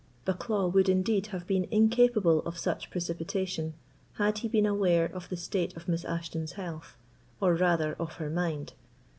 Bucklaw would indeed have been incapable of such precipitation, had he been aware of the state of Miss Ashton's health, or rather of her mind.